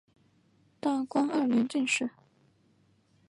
大观二年进士。